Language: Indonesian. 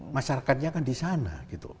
masyarakatnya kan di sana